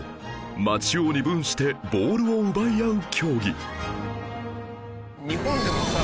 町を二分してボールを奪い合う競技